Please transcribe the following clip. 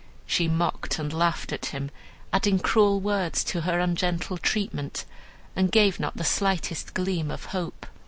She mocked and laughed at him, adding cruel words to her ungentle treatment, and gave not the slightest gleam of hope.